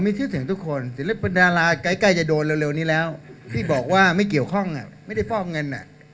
มีชื่อเสียงทุกคนศิลปินดาราใกล้จะโดนเร็วนี้แล้วที่บอกว่าไม่เกี่ยวข้องไม่ได้ฟอกเงิน